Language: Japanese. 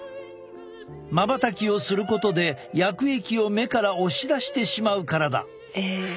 まばたきをすることで薬液を目から押し出てしまうからだ。